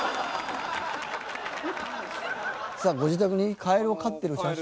さあご自宅にカエルを飼ってる写真。